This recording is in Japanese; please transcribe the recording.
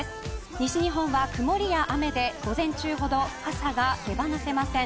西日本は曇りや雨で午前中ほど傘が手離せません。